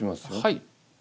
はい。